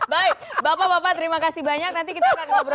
baik bapak bapak terima kasih banyak nanti kita akan ngobrol